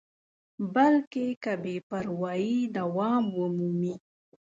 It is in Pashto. بلکې که بې پروایي دوام ومومي.